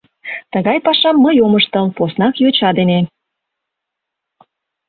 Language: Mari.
— Тыгай пашам мый ом ыштыл, поснак йоча дене.